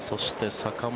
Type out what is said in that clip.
坂本